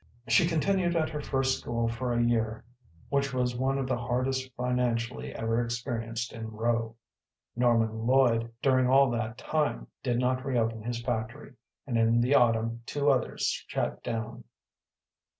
She continued at her first school for a year, which was one of the hardest financially ever experienced in Rowe. Norman Lloyd during all that time did not reopen his factory, and in the autumn two others shut down.